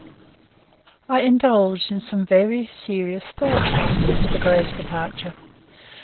I indulged in some very serious thoughts after Mr. Grey's departure.